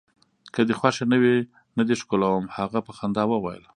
که دي خوښه نه وي، نه دي ښکلوم. هغه په خندا وویل.